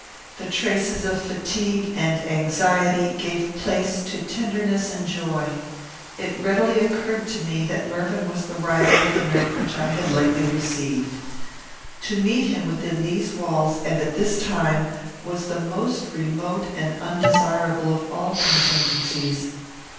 The traces of fatigue and anxiety gave place to tenderness and joy. It readily occurred to me that Mervyn was the writer of the note which I had lately received. To meet him within these walls, and at this time, was the most remote and undesirable of all contingencies.